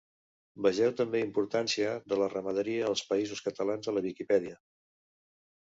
Vegeu també Importància de la ramaderia als Països Catalans a la Viquipèdia.